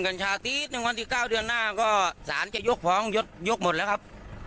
ของคนที่ถูกเชิญเนี่ยมันก็ต้องตามนั้นแหละครับ